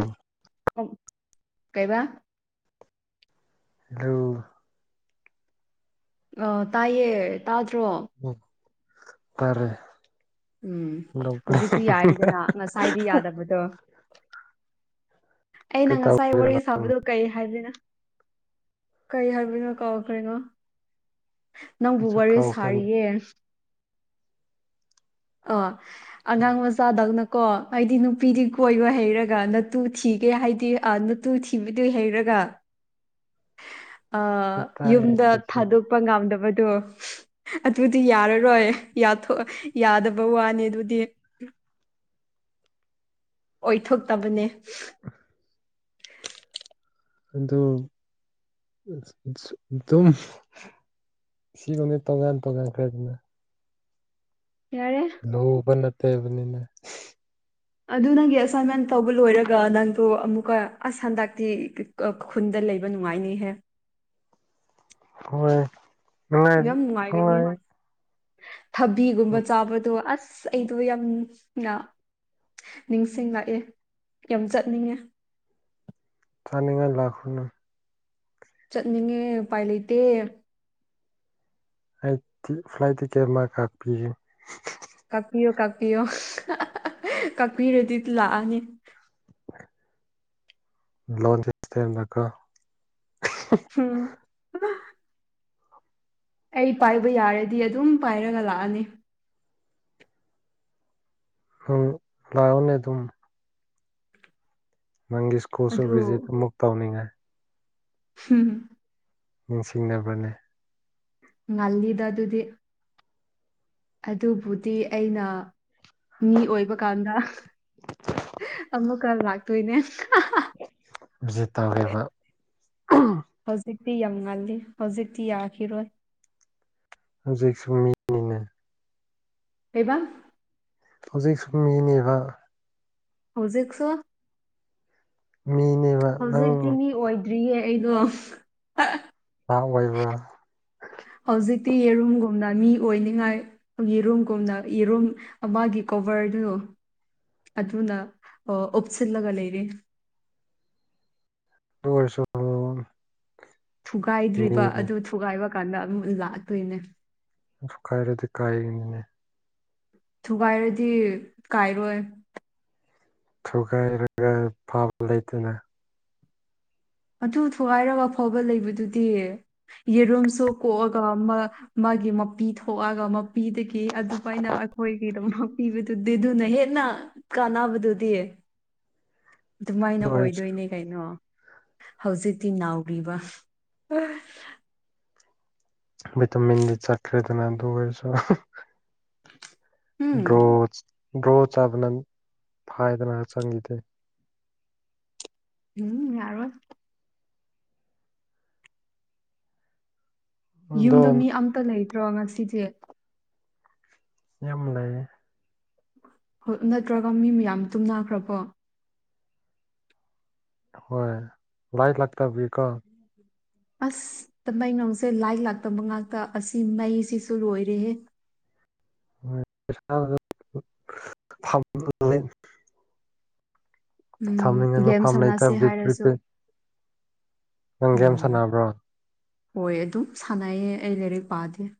ꯎꯝ ꯀꯩꯕꯥ ꯑꯂꯣ ꯑ ꯇꯥꯏꯌꯦ ꯇꯥꯗ꯭ꯔꯣ ꯎ ꯐꯔꯦ ꯎꯝ ꯍꯧꯖꯤꯛꯇꯤ ꯌꯥꯏꯗꯅ ꯉꯁꯥꯏꯗꯤ ꯌꯥꯗꯕꯗꯣ ꯑꯩꯅ ꯉꯁꯥꯏ ꯇꯧꯔꯤꯔꯣ ꯋꯥꯔꯤ ꯅꯪ ꯁꯥꯕꯗꯨ ꯀꯔꯤ ꯍꯥꯏꯕꯅꯣ ꯀꯔꯤ ꯍꯥꯏꯕꯅꯣ ꯀꯥꯎꯈ꯭ꯔꯤꯅꯣ ꯅꯪꯕꯨ ꯑꯩꯁꯨ ꯋꯥꯔꯤ ꯀꯥꯎꯈ꯭ꯔꯦꯅꯦ ꯁꯥꯔꯤꯌꯦ ꯑ ꯑꯉꯥꯡ ꯃꯆꯥꯗꯧꯅꯀꯣ ꯍꯥꯏꯗꯤ ꯅꯨꯄꯤꯗꯤ ꯀꯣꯏꯕ ꯍꯩꯔꯒ ꯅꯠꯇꯨ ꯊꯤ ꯀꯦ ꯍꯥꯏꯗꯤ ꯑ ꯅꯠꯇꯨ ꯊꯤꯕꯗꯨ ꯍꯩꯔꯒ ꯌꯨꯝꯗ ꯊꯥꯗꯣꯛꯄ ꯉꯝꯗꯕꯗꯣ ꯑꯗꯨꯗꯤ ꯌꯥꯔꯔꯣꯏ ꯌꯥꯊꫭꯛ ꯌꯥꯗꯕ ꯋꯥꯅꯤ ꯑꯗꯨꯗꯤ ꯑꯣꯏꯊꯣꯛꯇꯕꯅꯦ ꯑꯗꯨ ꯑꯗꯨꯝ ꯁꯤꯒꯅꯦ ꯇꯣꯉꯥꯟ ꯇꯣꯉꯥꯟꯈ꯭ꯔꯦꯗꯅ ꯌꯥꯔꯦ ꯂꯨꯕ ꯅꯠꯇꯦꯕꯅꯤꯅꯦ ꯑꯗꯨ ꯅꯪꯒꯤ ꯑꯦꯁꯥꯏꯟꯃꯦꯟ ꯇꯧꯕ ꯂꯣꯏꯔꯒ ꯅꯪꯗꯣ ꯑꯃꯨꯛꯀ ꯑꯁ ꯍꯟꯗꯛꯇꯤ ꯈꯨꯟꯗ ꯂꯩꯕ ꯅꯨꯡꯉꯥꯏꯅꯤꯍꯦ ꯍꯣꯏ ꯌꯥꯝ ꯅꯨꯡꯉꯥꯏꯒꯅꯤ ꯍꯣꯏ ꯊꯕꯤꯒꯨꯝꯕ ꯆꯥꯕꯗꯣ ꯑꯁ ꯑꯁ ꯑꯩꯗꯣ ꯌꯥꯝꯅ ꯅꯤꯡꯁꯤꯡꯂꯛꯑꯦ ꯌꯥꯝ ꯆꯠꯅꯤꯡꯉꯦ ꯆꯥꯅꯤꯡꯉꯥꯏ ꯂꯥꯛꯈ꯭ꯔꯅ ꯆꯠꯅꯤꯡꯉꯦ ꯎꯄꯥꯏ ꯂꯩꯇꯦ ꯑꯩ ꯇꯤ ꯐ꯭ꯂꯥꯏꯠ ꯇꯤꯀꯦꯠ ꯃꯥ ꯀꯛꯄꯤꯒꯦ ꯀꯛꯄꯤꯌꯣ ꯀꯛꯄꯤꯌꯣ ꯀꯛꯄꯤꯔꯗꯤ ꯂꯥꯛꯑꯅꯤ ꯂꯆꯁꯦ ꯇꯀ ꯍꯝ ꯑꯩ ꯄꯥꯏꯕ ꯌꯥꯔꯗꯤ ꯑꯗꯨꯝ ꯄꯥꯏꯔꯒ ꯂꯥꯛꯑꯅꯤ ꯑꯗꯨ ꯂꯣꯅꯦ ꯑꯗꯨꯝ ꯅꯪꯒꯤ ꯁ꯭ꯀꯨꯜꯁꯨ ꯑꯗꯨ ꯚꯤꯖꯤꯠ ꯑꯃꯨꯛ ꯇꯧꯅꯤꯡꯉꯥꯏ ꯍꯝ ꯅꯤꯡꯁꯤꯡꯅꯕꯅꯦ ꯉꯜꯂꯤꯗ ꯑꯗꯨꯗꯤ ꯑꯗꯨꯕꯨꯗꯤ ꯑꯩꯅ ꯃꯤ ꯑꯣꯏꯕꯀꯥꯟꯗ ꯑꯃꯨꯛꯀ ꯂꯥꯛꯇꯣꯏꯅꯦ ꯍꯥ ꯍꯥ ꯍꯧꯖꯤ ꯇꯧꯔꯤꯕ ꯍꯧꯖꯤꯛꯇꯤ ꯌꯥꯝ ꯉꯜꯂꯤ ꯍꯧꯖꯤꯛꯇꯤ ꯌꯥꯈꯤꯔꯣꯏ ꯍꯧꯖꯤꯛꯁꯨꯨꯝ ꯃꯤꯅꯤꯅ ꯀꯩꯕ ꯍꯧꯖꯤꯛ ꯁꯨꯝ ꯃꯤꯅꯦꯕ ꯍꯧꯖꯤꯛꯁꯨ ꯃꯤꯅꯦꯕ ꯅꯪ ꯍꯧꯖꯤꯛꯇꯤ ꯃꯤ ꯑꯣꯏꯗ꯭ꯔꯤꯌꯦ ꯑꯩꯗꯣ ꯉ ꯑꯣꯏꯕ꯭ꯔꯥ ꯍꯧꯖꯤꯛꯇꯤ ꯌꯦꯔꯨꯝꯒꯨꯝꯅ ꯃꯤ ꯑꯣꯏꯅꯤꯡꯉꯥꯏ ꯌꯦꯔꯨꯝꯒꯨꯝꯅ ꯌꯦꯔꯨꯝ ꯃꯥ ꯀꯣꯚꯔꯗꯨꯣ ꯑꯗꯨꯗꯅ ꯑ ꯑꯣꯞꯁꯤꯜꯂꯒ ꯂꯩ ꯏꯔꯤ ꯑꯗꯨꯑꯣꯏꯔꯁꯨ ꯊꯨꯒꯥꯏꯗ꯭ꯔꯤꯕ ꯃꯤꯅꯤ ꯑꯗꯨ ꯊꯨꯒꯥꯏꯕ ꯀꯥꯟꯗ ꯑꯗꯨꯝ ꯂꯥꯛꯇꯣꯏꯅꯦ ꯀꯥꯏꯔꯗꯤ ꯀꯥꯏꯅꯤꯅꯦ ꯊꯨꯒꯥꯏꯔꯗꯤ ꯀꯥꯏꯔꯣꯏ ꯊꯨꯒꯥꯏꯔꯒ ꯐꯥꯕ ꯂꯩꯇꯅ ꯑꯗꯨ ꯊꯨꯒꯥꯏꯔꯕ ꯐꯥꯎꯕ ꯂꯩꯕꯗꯨꯗꯤ ꯌꯦꯔꯨꯝꯁꯨ ꯀꯣꯛꯑꯒ ꯃꯥ ꯃꯥꯒꯤ ꯃꯄꯤ ꯊꯣꯛꯑꯒ ꯄꯤꯗꯒꯤ ꯑꯗꯨꯃꯥꯏꯅ ꯑꯩꯈꯣꯏꯒꯤ ꯑꯗꯨꯃꯛ ꯊꯤꯕꯗꯨꯗꯤ ꯑꯗꯨꯅ ꯍꯦꯟꯅ ꯀꯥꯟꯅꯕꯗꯨꯗꯤ ꯑꯗꯨꯃꯥꯏꯅ ꯑꯗꯨ ꯑꯣꯏꯔꯁꯨ ꯑꯣꯏꯗꯣꯏꯅꯦ ꯀꯩꯅꯣ ꯍꯧꯖꯤꯛꯇꯤ ꯅꯥꯎꯔꯤꯕ ꯇ ꯃꯤꯦꯟꯗꯤ ꯆꯠꯈ꯭ꯔꯦꯗꯅ ꯑꯗꯨ ꯑꯣꯏꯁꯨ ꯎꯝ ꯗ꯭ꯔꯣ ꯗ꯭ꯔꯣ ꯆꯥꯕꯅ ꯐꯥꯏꯗꯅ ꯆꯪꯈꯤꯗꯦ ꯎꯝ ꯌꯥꯔꯣꯏ ꯑꯗꯣ ꯌꯨꯝꯗ ꯃꯤ ꯑꯝꯇ ꯂꯩꯇ꯭ꯔꯣ ꯉꯁꯤꯁꯦ ꯌꯥꯝ ꯂꯩꯦ ꯍꯣꯏ ꯅꯠꯇ꯭ꯔꯒ ꯃꯤ ꯃꯌꯥꯝ ꯇꯨꯝꯅꯈ꯭ꯔꯕꯣ ꯍꯣꯏ ꯂꯥꯏ ꯂꯥꯛꯇꯥꯕꯀꯣ ꯑꯁ ꯇꯃꯩ ꯉꯣꯡꯁꯦ ꯂꯥꯏ ꯂꯥꯛꯇꯕ ꯉꯥꯛꯇ ꯑꯁꯤ ꯃꯩꯁꯤꯁꯨ ꯂꯣꯏꯔꯦꯍꯦ ꯐꯝ ꯂ ꯎꯝ ꯊꯝꯅꯤꯡꯉꯥꯏ ꯃ ꯒꯦꯝ ꯐꯥꯝ ꯁꯥꯟꯅꯁꯦ ꯂꯩꯇꯕꯒꯤ ꯍꯥꯏꯔꯁꯨ ꯄ꯭ꯔꯤꯄꯦꯗ ꯅꯪ ꯒꯦꯝ ꯎꯝ ꯁꯥꯟꯅꯕ꯭ꯔꯣ ꯍꯣꯏ ꯑꯗꯨꯝ ꯁꯥꯟꯅꯩꯌꯦ ꯑꯩ ꯂꯥꯏꯔꯤꯛ ꯄꯥꯗꯦ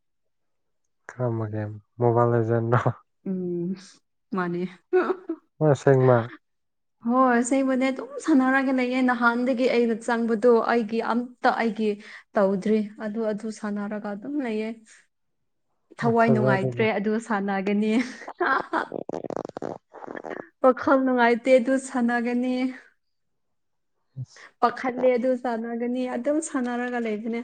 ꯈꯃꯒꯦ ꯃꯣꯕꯥꯏꯜ ꯂꯩꯖꯦꯟꯗꯣ ꯎꯝ ꯃꯥꯅꯤ ꯑ ꯁꯦꯡꯃ ꯍꯣꯏ ꯁꯕꯨꯅꯦ ꯑꯗꯨꯝ ꯁꯥꯟꯅꯔꯒ ꯂꯩꯌꯦ ꯅꯍꯥꯟꯗꯒꯤ ꯑꯩꯅ ꯆꯪꯕꯗꯣ ꯑꯩꯒꯤ ꯑꯝꯇ ꯑꯩꯒꯤ ꯇꯧꯗ꯭ꯔꯤ ꯑꯗꯨ ꯑꯗꯨ ꯁꯥꯟꯅꯔꯒ ꯑꯗꯨꯝ ꯂꯩꯌꯦ ꯊꯋꯥꯏ ꯊꯥꯖꯗꯦꯗ ꯅꯨꯡꯉꯥꯏꯇ꯭ꯔꯦ ꯑꯗꯨ ꯁꯥꯟꯅꯒꯅꯤ ꯍꯥ ꯍꯥ ꯄꯥꯈꯜ ꯅꯨꯡꯉꯥꯏꯇꯦ ꯑꯗꯨ ꯁꯥꯟꯅꯒꯅꯤ ꯑꯁ ꯄꯥꯈꯠꯂꯦ ꯑꯗꯨ ꯆꯥꯟꯅꯒꯅꯤ ꯑꯗꯨꯝ ꯁꯥꯟꯅꯔꯒ ꯂꯩꯕꯅꯦ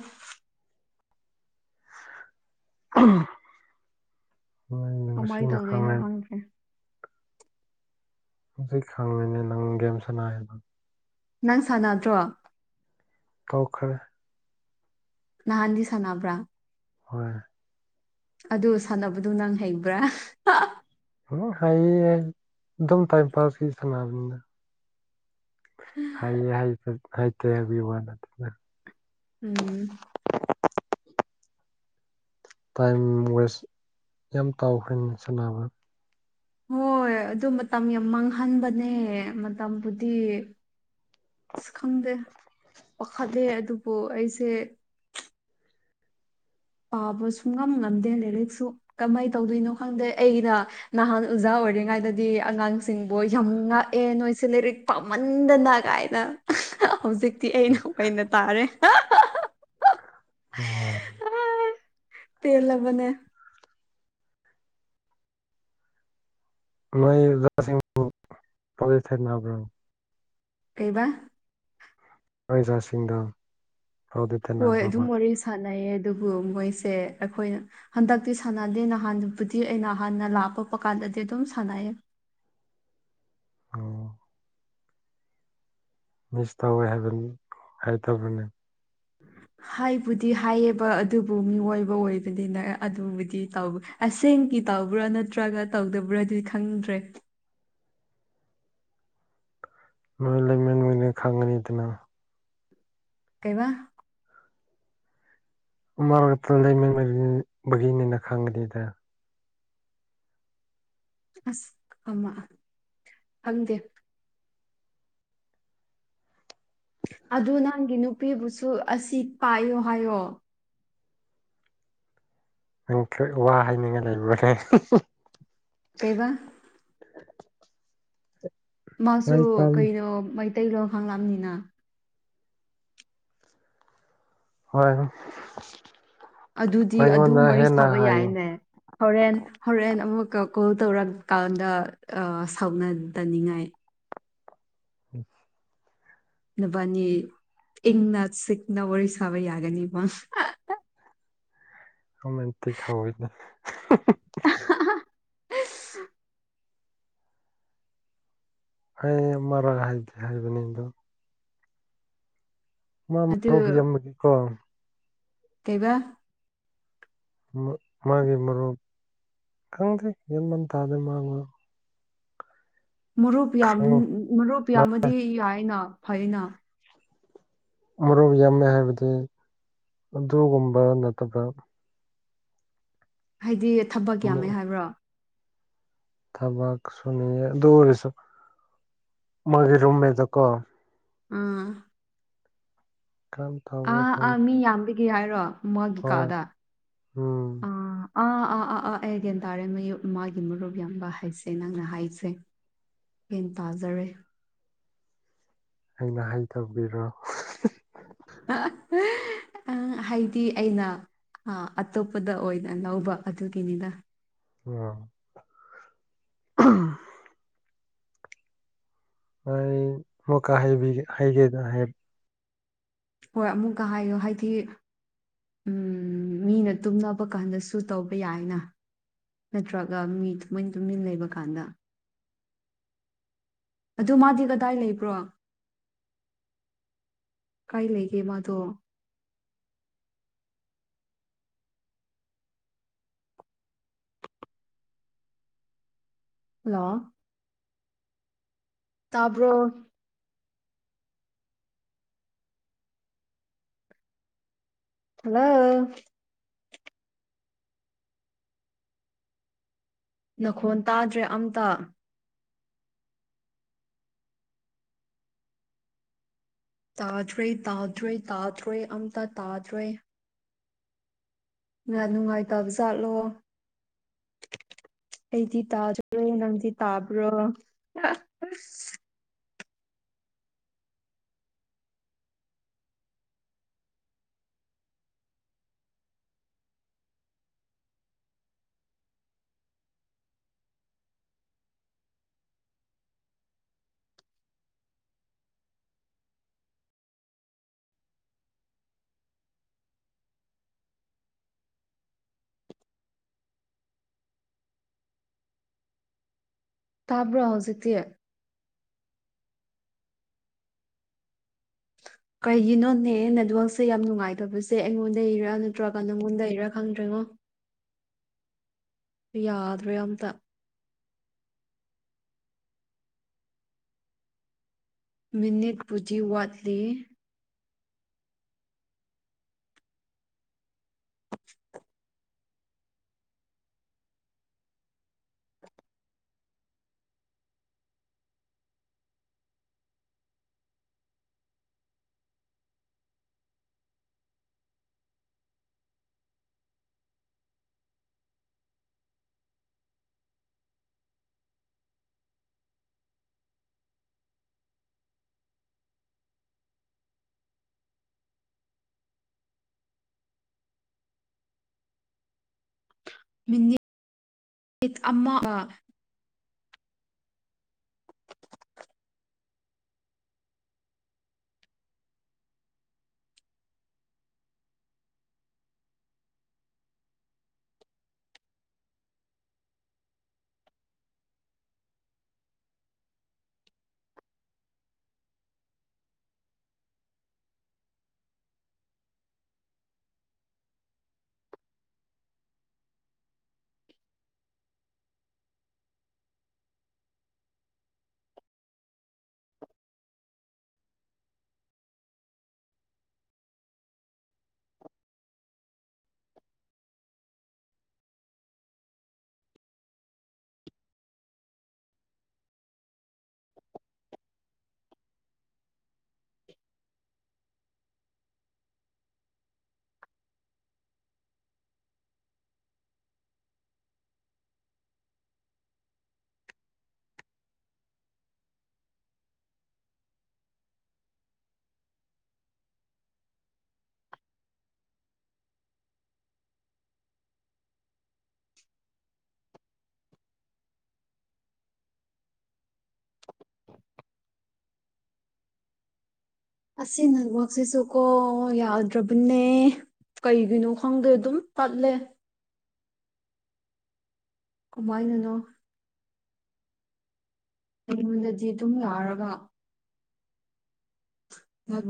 ꯑꯣꯏꯩꯅ ꯀꯃꯥꯏꯅ ꯃꯁꯤꯡꯁꯤꯡꯅ ꯇꯧꯗꯣꯏꯅꯣ ꯈꯪꯅꯩ ꯈꯪꯗ꯭ꯔꯦ ꯍꯧꯖꯤꯛ ꯈꯪꯉꯤꯅꯦ ꯅꯪ ꯒꯦꯝ ꯁꯅꯥꯑꯦꯅ ꯅꯪ ꯁꯥꯟꯅꯗ꯭ꯔꯣ ꯇꯣꯛꯈꯔꯦ ꯅꯍꯥꯟꯗꯤ ꯁꯥꯟꯅꯕ꯭ꯔꯥ ꯍꯣꯏ ꯑꯗꯨ ꯁꯥꯟꯅꯕꯗꯨ ꯅꯪ ꯍꯩꯕ꯭ꯔꯥ ꯎꯝ ꯍꯥꯏꯌꯦ ꯑꯗꯨꯝ ꯇꯥꯏ ꯄꯥꯁꯀꯤ ꯁꯅꯥꯕꯅꯤꯗ ꯍꯥꯏ ꯍꯥꯏ ꯐ ꯍꯥꯏ ꯇ ꯋꯥ ꯅ ꯑꯗꯨ ꯎꯝ ꯇꯥꯏꯝ ꯋꯦꯁ ꯌꯥꯝ ꯇꯥꯎꯈ꯭ꯔꯦ ꯁꯥꯟꯅꯕ ꯍꯣꯏ ꯑꯗꯨ ꯃꯇꯝ ꯌꯥꯝ ꯃꯥꯡꯍꯟꯕꯅꯦ ꯃꯇꯝꯕꯨꯗꯤ ꯑꯁ ꯈꯪꯗꯦ ꯋꯥꯈꯠꯂꯦ ꯑꯗꯨꯕꯨ ꯑꯩꯁꯦ ꯄꯥꯕꯁꯨꯨꯡ ꯉꯝ ꯉꯝꯗꯦ ꯂꯥꯏꯔꯤꯛꯁꯨ ꯀꯃꯥꯏꯅ ꯇꯧꯗꯣꯏꯅꯣ ꯈꯪꯗꯦ ꯑꯩꯅ ꯅꯍꯥꯟ ꯑꯣꯖꯥ ꯑꯣꯏꯔꯤꯉꯥꯏꯗꯗꯤ ꯑꯉꯥꯡꯁꯤꯡꯕꯨ ꯌꯥꯝ ꯉꯥꯛꯑꯦ ꯅꯣꯏꯁꯦ ꯂꯥꯏꯔꯤꯛ ꯄꯥꯝꯃꯟꯗꯅ ꯀꯥꯏꯅ ꯍꯧꯖꯤꯛꯇꯤ ꯑꯩꯅ ꯑꯣꯏꯅ ꯇꯥꯔꯦ ꯑꯣ ꯄꯦꯜꯂꯕꯅꯦ ꯅꯣꯏ ꯑꯣꯖꯥ ꯁꯤꯡꯕꯨ ꯋꯥꯔꯤ ꯁꯅꯥꯕ꯭ꯔꯣ ꯀꯩꯕꯥ ꯅꯣꯏ ꯑꯣꯖꯥ ꯁꯤꯡꯗꯣ ꯍꯣꯏ ꯑꯗꯨꯝ ꯋꯥꯔꯤ ꯁꯥꯟꯅꯩꯌꯦ ꯑꯗꯨꯕꯨ ꯃꯣꯏꯁꯦ ꯑꯩꯈꯣꯏꯅ ꯍꯟꯗꯛꯇꯤ ꯁꯥꯟꯅꯗꯦ ꯅꯍꯥꯟꯕꯨꯗꯤ ꯑꯩꯩꯅ ꯍꯥꯟꯅ ꯂꯥꯛꯄꯛꯄ ꯀꯥꯟꯗꯗꯤ ꯑꯗꯨꯝ ꯁꯥꯟꯅꯩ ꯑꯣ ꯃꯤꯁ ꯇꯧꯋꯦ ꯍꯥꯏꯕꯅꯤ ꯍꯥꯏꯇꯕꯅꯦ ꯍꯥꯏꯕꯨꯗꯤ ꯍꯥꯏꯌꯦꯕ ꯑꯗꯨꯕꯨ ꯃꯤꯑꯣꯏꯕ ꯑꯣꯏꯕꯅꯤꯅ ꯑꯗꯨꯕꯨꯗꯤ ꯇꯧ ꯑꯁꯦꯡꯀꯤ ꯇꯧꯕ꯭ꯔꯥ ꯅꯠꯇ꯭ꯔꯒ ꯇꯧꯗꯕ꯭ꯔꯥꯗꯤ ꯈꯪꯗ꯭ꯔꯦ ꯅꯣꯏ ꯂꯩꯃꯤꯟ [unintelligible] ꯈꯪꯒꯅꯤꯗꯅ ꯀꯩꯕ [unintelligible] ꯂꯩꯃꯤꯟꯕꯒꯤꯅꯤꯅ ꯈꯪꯒꯅꯤꯗ ꯑꯁ ꯑꯃ ꯈꯪꯗꯦ ꯑꯗꯨ ꯅꯪꯒꯤ ꯅꯨꯄꯤꯕꯨꯁꯨ ꯑꯁꯤ ꯄꯥꯏꯌꯣ ꯍꯥꯏꯌꯣ [unintelligible] ꯋꯥ ꯍꯥꯏꯅꯤꯡꯉꯥꯏ ꯂꯩꯕꯔꯣꯅꯦ ꯀꯩꯕ ꯃꯥꯁꯨ ꯃꯥꯏ ꯄꯥꯝ ꯀꯩꯅꯣ ꯃꯩꯇꯩꯂꯣꯟ ꯈꯪꯂꯝꯅꯤꯅ ꯍꯣꯏ ꯑꯗꯨꯗꯤ ꯑꯗꯨꯝ ꯑꯩꯉꯣꯟꯗ ꯋꯥꯔꯤ ꯍꯦꯟꯅ ꯁꯥꯕ ꯍꯥꯏꯌꯦ ꯌꯥꯏꯅꯦ ꯍꯣꯔꯦꯟ ꯍꯣꯔꯦꯟ ꯑꯃꯨꯛꯀ ꯀꯣꯜ ꯇꯧꯔꯛꯀꯥꯟꯗ ꯁꯥꯎꯅꯗꯅꯤꯡꯉꯥꯏ [unintelligible] ꯅꯕꯥꯅꯤ ꯏꯪꯅ ꯆꯤꯛꯅ ꯋꯥꯔꯤ ꯁꯥꯕ ꯌꯥꯒꯅꯤꯕ ꯔꯣꯃꯦꯟꯇꯤꯛ [unintelligible] [unintelligible] ꯑꯩ ꯑꯃꯔꯛ ꯍꯥꯏꯗꯤ ꯍꯥꯏꯕꯅꯤ ꯑꯗꯣ ꯃꯥ ꯑꯗꯨ ꯃꯔꯨꯞ ꯌꯥꯝꯕꯒꯤꯀꯣ ꯀꯩꯕ ꯃꯥꯒꯤ ꯃꯔꯨꯞ ꯈꯪꯗꯦ ꯌꯥꯟꯃꯟ ꯇꯥꯗꯦ ꯃꯥꯕꯨ ꯃꯔꯨꯞ ꯌꯥꯝ ꯃꯔꯨꯞ ꯌꯥꯝꯃꯗꯤ ꯌꯥꯏꯅ ꯐꯩꯅ ꯃꯔꯨꯞ ꯌꯥꯝꯃꯦ ꯍꯥꯏꯕꯗꯤ ꯑꯗꯨꯒꯨꯝꯕ ꯅꯠꯇꯕ ꯍꯥꯏꯗꯤ ꯊꯕꯛ ꯌꯥꯝꯃꯦ ꯍꯥꯏꯕ꯭ꯔꯣ ꯊꯕꯛ ꯁꯨꯅꯤ ꯑꯗꯨ ꯑꯣꯏꯔꯁꯨ ꯃꯥꯒꯤ ꯔꯨꯝꯃꯦꯗꯀꯣ ꯑꯥ ꯈꯟ ꯑꯥ ꯑꯥ ꯃꯤ ꯌꯥꯝꯕꯤꯒꯤ ꯍꯥꯏꯔꯣ ꯃꯥꯒꯤ ꯍꯣꯏ ꯀꯥꯗ ꯎꯝ ꯑꯥ ꯑꯥ ꯑꯥ ꯑꯥ ꯑꯥ ꯑꯩ ꯒ꯭ꯌꯥꯟ ꯇꯥꯔꯦ ꯃꯌꯨ ꯃꯥꯒꯤ ꯃꯔꯨꯞ ꯌꯥꯝꯕ ꯍꯥꯏꯁꯦ ꯅꯪꯅ ꯍꯥꯏꯁꯦ ꯒꯦꯟ ꯇꯥꯖꯔꯦ ꯑꯩꯅ ꯍꯩꯇꯕꯒꯤꯔꯣ ꯑ ꯍꯥꯏꯗꯤ ꯑꯩꯅ ꯑ ꯑꯇꯣꯞꯄꯗ ꯑꯣꯏꯅ ꯂꯧꯕ ꯑꯗꯨꯒꯤꯅꯤꯗ [unintelligible] ꯑꯩ ꯑꯃꯨꯛꯀ ꯍꯩꯕꯤꯒꯦ ꯍꯩꯒꯦꯗ ꯍꯥꯏ ꯍꯣꯏ ꯑꯃꯨꯛꯀ ꯍꯥꯏꯌꯣ ꯍꯥꯏꯗꯤ ꯎꯝ ꯃꯤꯅ ꯇꯨꯝꯅꯕ ꯀꯥꯟꯗꯁꯨ ꯇꯧꯕ ꯌꯥꯏꯅ ꯅꯠꯇ꯭ꯔꯒ ꯃꯤ ꯇꯨꯃꯤꯟ ꯇꯨꯝꯃꯤꯟ ꯂꯩꯕ ꯀꯥꯟꯗ ꯑꯗꯨ ꯃꯥꯗꯤ ꯀꯗꯥꯏ ꯂꯩꯕ꯭ꯔꯣ ꯀꯥꯏ ꯂꯩꯒꯦ ꯃꯥꯗꯣ ꯍꯜꯂꯣ ꯇꯥꯕꯔꯣ ꯍꯜꯂꯣ ꯅꯈꯣꯟ ꯇꯥꯗ꯭ꯔꯦ ꯑꯝꯇ ꯇꯥꯗ꯭ꯔꯦ ꯇꯥꯗ꯭ꯔꯦ ꯇꯥꯗ꯭ꯔꯣꯏ ꯑꯝꯇ ꯇꯥꯗ꯭ꯔꯦ ꯅꯨꯡꯉꯥꯏꯇꯕ ꯆꯥꯠꯂꯣ ꯑ [unintelligible] ꯑꯩꯗꯤ ꯇꯥꯖꯔꯣꯏ ꯅꯪꯗꯤ ꯇꯥꯕ꯭ꯔꯣ ꯇꯥꯕ꯭ꯔꯣ ꯍꯧꯖꯤꯛꯇꯤ ꯀꯩꯒꯤꯅꯣꯅꯦ ꯅꯦꯠꯋꯥꯛꯛꯁꯦ ꯌꯥꯝ ꯅꯨꯡꯉꯥꯏꯇꯕꯁꯦ ꯑꯩꯉꯣꯟꯗ ꯏꯔ ꯅꯠꯇ꯭ꯔꯒ ꯅꯪꯉꯣꯟꯗ ꯏꯔꯥ ꯈꯪꯗ꯭ꯔꯦꯉꯣ ꯑ ꯌꯥꯗ꯭ꯔꯦ ꯑꯝꯇ ꯃꯤꯅꯤꯠ ꯄꯨꯗꯤ ꯋꯥꯠꯂꯤ ꯃꯤꯅꯤꯠ ꯃꯤꯅꯤꯠ ꯑꯃ [unintelligible] ꯑꯁꯤ ꯅꯦꯠꯋꯥꯛꯁꯤꯁꯨ ꯀꯣ ꯌꯥꯗ꯭ꯔꯕꯅꯦ ꯀꯩꯒꯤꯅꯣ ꯈꯪꯗꯦ ꯑꯗꯨꯝ ꯇꯠꯂꯦ ꯀꯃꯥꯏꯅꯅꯣ ꯑꯩꯉꯣꯟꯗꯗꯤ ꯑꯗꯨꯝ ꯌꯥꯎꯔꯒ